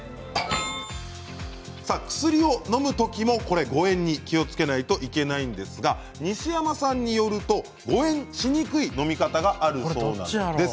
薬をのむ時も誤えんに気をつけないといけないんですが西山さんによると誤えんしにくいのみ方があるそうです。